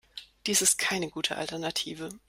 Dies ist keine gute Alternative.